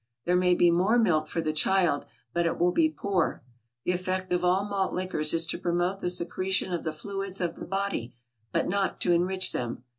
There may be more milk for the child, but it will be poor. The effect of all malt liquors is to promote the secretion of the fluids of the body, but not to enrich them.